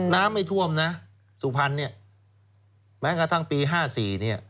น้ำไม่ท่วมน่ะสุภัณฑ์เนี้ยแม้กระทั่งปีห้าสี่เนี้ย